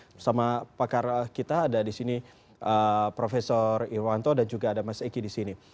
bersama pakar kita ada disini prof irwanto dan juga ada mas eky disini